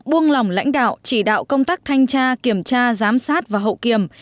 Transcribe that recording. buông lỏng lãnh đạo chỉ đạo công tác thanh tra kiểm tra giám sát và hậu kiểm